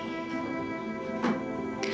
hamba mohon ya allah